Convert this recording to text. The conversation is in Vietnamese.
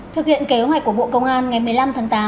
thực hiện kế hoạch của bộ công an ngày một mươi năm tháng tám